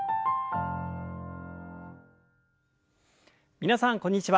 皆さんこんにちは。